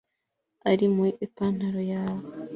ari mu ipantaro yawe